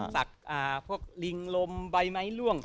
สักพวกลิงลมใบไม้ล่วง